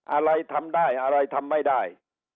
อะไรทำได้อะไรทำไม่ได้